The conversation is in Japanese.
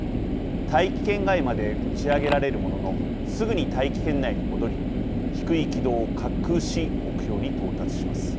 大気圏外まで打ち上げられるもののすぐに大気圏内に戻り低い軌道を滑空し目標に到達します。